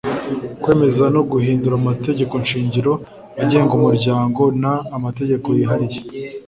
kwemeza no guhindura amategekoshingiro agenga umuryango n amategeko yihariye